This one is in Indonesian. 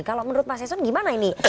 kalau menurut pak sison gimana ini